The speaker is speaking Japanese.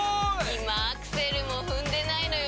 今アクセルも踏んでないのよ